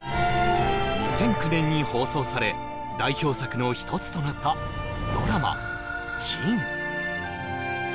２００９年に放送され代表作の一つとなったドラマ「ＪＩＮ−仁−」